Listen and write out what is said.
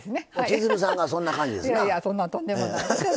千鶴さんがそんな感じですな。